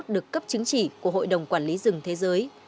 được cấp chứng chỉ của hội đồng quản lý rừng thế giới